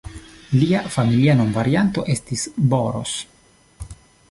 Lia familia nomvarianto estis "Boros".